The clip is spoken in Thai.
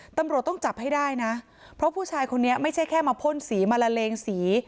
ตำรวจต้องจับให้ได้นะเพราะผู้ชายคนนี้ไม่ใช่แค่มาพ่นสีมาละเลงสี